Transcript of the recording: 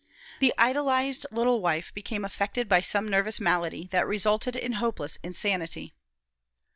The idolized little wife became affected by some nervous malady that resulted in hopeless insanity.